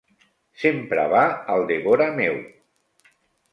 Sempre va al devora meu.